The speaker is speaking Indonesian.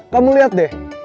kamu liat deh